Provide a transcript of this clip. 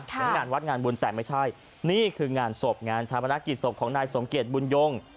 เป็นงานวัดงานบุญแต่ไม่ใช่นี่คืองานศพงานชาปนกิจศพของนายสมเกียจบุญยง